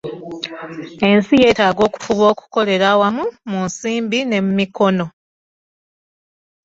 Ensi yeetaaga okufuba okukolera awamu mu nsimbi ne mu mikono.